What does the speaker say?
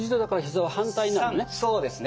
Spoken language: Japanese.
そうですね。